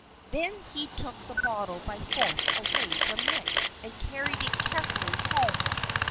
Then he took the bottle by force away from Mick, and carried it carefully home.